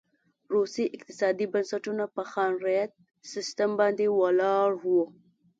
روسي اقتصادي بنسټونه په خان رعیت سیستم باندې ولاړ و.